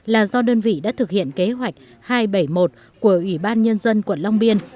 là do đơn vị đã thực hiện kế hoạch hai trăm bảy mươi một của ủy ban nhân dân quận long biên